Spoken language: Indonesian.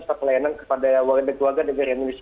setelah pelayanan kepada warga warga negara indonesia